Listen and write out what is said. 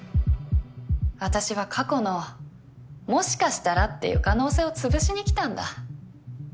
私は過去のもしかしたらっていう可能性を潰しにきたんだ。